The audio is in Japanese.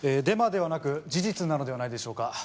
デマではなく事実なのではないでしょうか？